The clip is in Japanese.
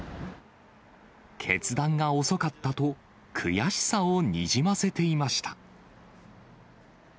決断が遅かったと、悔しさをにじませていました。